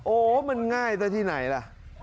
โอ้โฮมันง่ายแต่ที่ไหนล่ะ